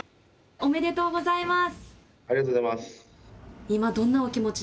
ありがとうございます。